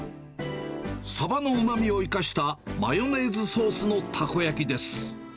サバのうまみを生かしたマヨネーズソースのたこ焼きです。